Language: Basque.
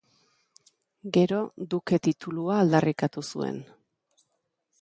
Gero duke titulua aldarrikatu zuen.